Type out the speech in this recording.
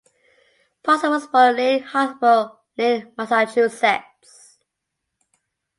Parsons was born in Lynn Hospital, Lynn, Massachusetts.